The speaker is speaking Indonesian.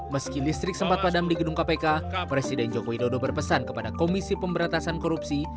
meski listrik sempat padam di gedung kpk presiden joko widodo berpesan kepada komisi pemberantasan korupsi